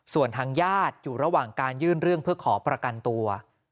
ส่วนทางญาติอยู่ระหว่างการยื่นเรื่องเพื่อขอประกันตัว